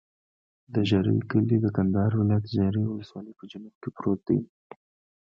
د ژرۍ کلی د کندهار ولایت، ژرۍ ولسوالي په جنوب کې پروت دی.